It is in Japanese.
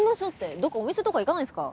どっかお店とか行かないんすか？